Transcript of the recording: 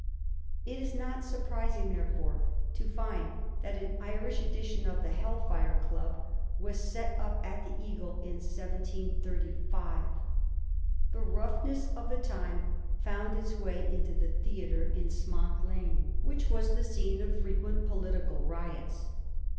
It is not surprising, therefore, to find that an Irish edition of the Hell Fire Club was set up at the ^ Eagle ' in 1735. The rough ness of the time found its way into the theatre in Smock Lane, which was the scene of fi equent political riots.